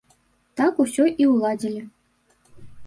Так усё і ўладзілі.